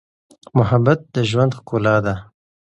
محبت د ژوند ښکلا ده.